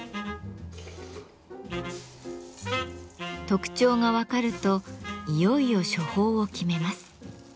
特徴が分かるといよいよ処方を決めます。